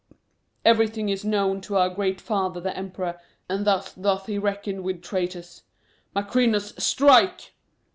Every thing is known to our great father the Emperor, and thus doth he reckon with traitors. Macrinus, strike!"